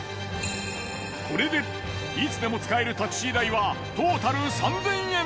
これでいつでも使えるタクシー代はトータル３，０００円。